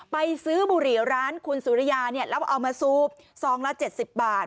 ไปซื้อบุหรี่ร้านคุณสุริยาแล้วเอามาซูบซองละ๗๐บาท